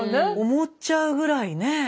思っちゃうぐらいね。